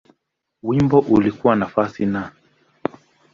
Wimbo ulikuwa nafasi Na.